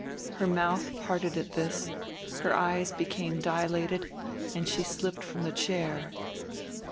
Her mouth parted at this, her eyes became dilated, and she slipped from the chair.